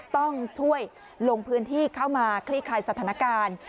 ต้องช่วยลงพื้นที่เข้ามาคลี่คลายสถานการณ์